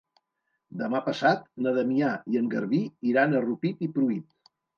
Demà passat na Damià i en Garbí iran a Rupit i Pruit.